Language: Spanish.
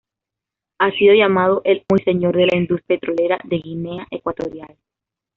Ha sido llamado el "amo y señor" de la industria petrolera de Guinea Ecuatorial.